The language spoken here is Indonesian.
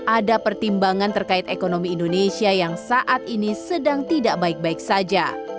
ada pertimbangan terkait ekonomi indonesia yang saat ini sedang tidak baik baik saja